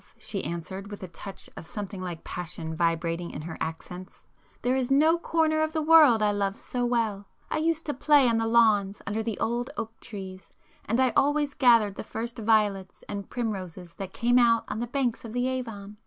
she answered with a touch of something like passion vibrating in her accents—"There is no corner of the world I love so well! I used to play on the lawns under the old oak trees, and I always gathered the first violets and primroses that came out on the banks of the Avon.